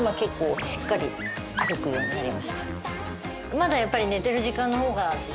まだやっぱり。